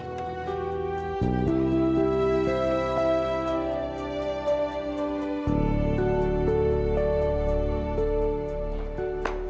sampai jumpa di video selanjutnya